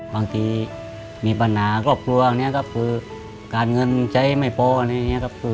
บางทีมีปัญหาก็กลัวอันนี้ครับการเงินใช้ไม่พออันนี้ครับ